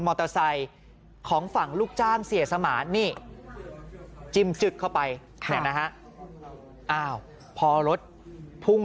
มอเตอร์ไซค์ของฝั่งลูกจ้างเสียสมานจิ้มจึดเข้าไปพอรถพุ่ง